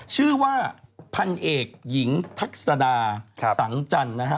ชื่อว่าพันเอกหญิงทักษดาสังจันทร์นะฮะ